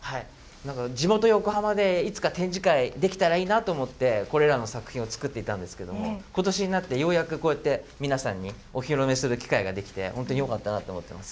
なんか地元横浜でいつか展示会、できたらいいなと思って、これらの作品を作っていたんですけれども、ことしになってようやくこうやって皆さんにお披露目する機会が出来て、本当によかったな